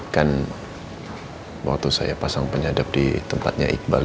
kan waktu saya pasang penyadap di tempatnya iqbal